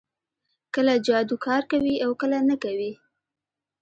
کله جادو کار کوي او کله نه کوي